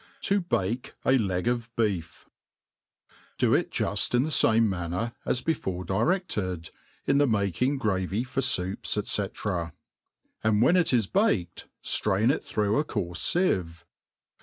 7i hake a Leg of Beef DO it juft in the fame manner, as before dire£led, in the making gravy for foups, &c. and when it is baked, ftrain it through ii^ coarfe fieve.